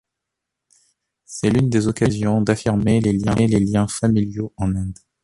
C'est l'une des occasions d'affirmer les liens familiaux en Inde.